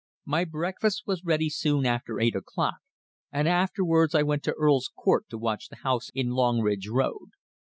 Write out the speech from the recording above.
My breakfast was ready soon after eight o'clock, and afterwards I went to Earl's Court to watch the house in Longridge Road.